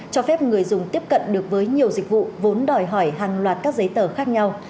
cho phép người dùng tiếp cận được với nhiều dịch vụ vốn đòi hỏi hàng loạt các giấy tờ khác nhau